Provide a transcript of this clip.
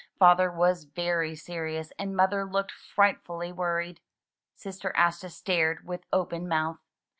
Father was very serious and Mother looked frightfully worried. Sister Asta stared with open mouth.